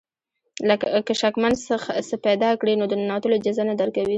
که شکمن څه پیدا کړي نو د ننوتلو اجازه نه درکوي.